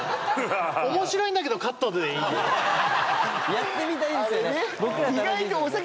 やってみたいですよね。